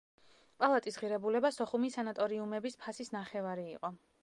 პალატის ღირებულება სოხუმის სანატორიუმების ფასის ნახევარი იყო.